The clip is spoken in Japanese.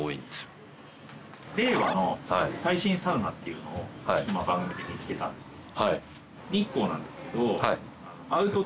令和の最新サウナっていうのを番組で見つけたんです。